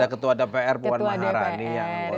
ada ketua dpr puan maharani yang buat praksi pdi perjuangan